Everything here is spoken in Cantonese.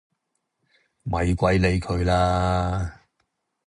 咪鬼理佢啦